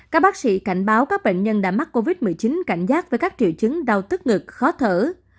các bác sĩ cảnh báo các bệnh nhân đã mắc covid một mươi chín cảnh giác với các triệu chứng đau tức ngực khó thở